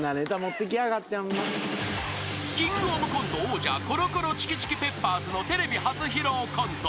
［キングオブコント王者コロコロチキチキペッパーズのテレビ初披露コント